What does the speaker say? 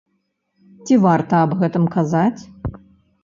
Ці варта аб гэтым казаць?